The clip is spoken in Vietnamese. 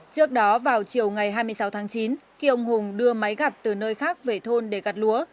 trước đó vào chiều ngày hai mươi sáu tháng chín khi ông hùng đưa máy gặt từ nơi khác về thôn để gặt lúa